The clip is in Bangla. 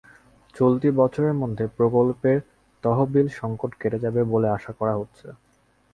চলতি বছরের মধ্যে প্রকল্পের তহবিলসংকট কেটে যাবে বলে আশা করা হচ্ছে।